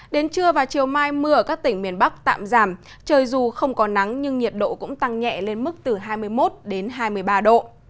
đến trưa và chiều mai mưa ở các tỉnh miền bắc tạm giảm trời dù không có nắng nhưng nhiệt độ cũng tăng nhẹ lên mức từ hai mươi một đến hai mươi ba độ